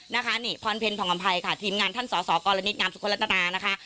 นะคะนี่พรเพ็ญผ่องอำภัยค่ะทีมงานท่านสสกรณิตงามสุคลัตนานะคะ